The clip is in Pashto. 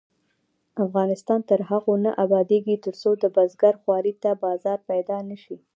افغانستان تر هغو نه ابادیږي، ترڅو د بزګر خوارۍ ته بازار پیدا نشي.